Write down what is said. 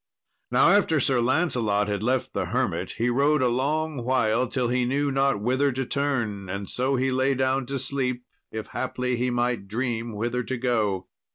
Now after Sir Lancelot had left the hermit, he rode a long while till he knew not whither to turn, and so he lay down to sleep, if haply he might dream whither to go.